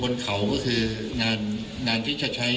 คุณผู้ชมไปฟังผู้ว่ารัฐกาลจังหวัดเชียงรายแถลงตอนนี้ค่ะ